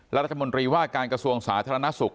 และรัฐมนตรีว่าการกระทรวงสาธารณสุข